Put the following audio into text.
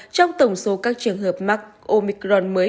trong tổng số các trường hợp mắc omicron mới